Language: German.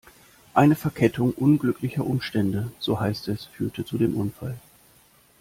Eine Verkettung unglücklicher Umstände, so heißt es, führte zu dem Unfall.